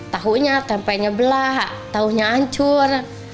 tahunya tempenya belak tahunya ancur